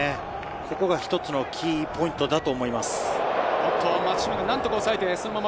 ここが一つのキーポイントだと思います。